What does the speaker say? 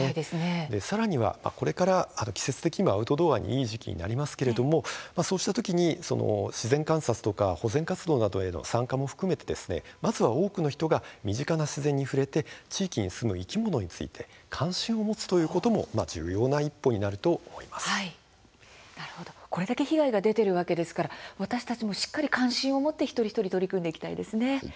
さらには、これから季節的にアウトドアにいい時期になりますがそうした時に自然観察とか保全活動などへの参加も含めて、まず多くの人が身近な自然に触れて地域に住む生き物について関心を持つということもこれだけ被害が出ているわけですから私たちもしっかり関心を持って一人一人取り組んでいきたいですね。